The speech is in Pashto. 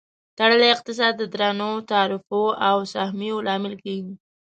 تړلی اقتصاد د درنو تعرفو او سهمیو لامل کیږي.